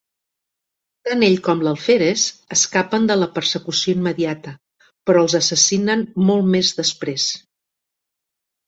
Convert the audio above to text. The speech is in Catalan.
Tant ell com l"alferes escapen de la persecució immediata, però els assassinen molt més després.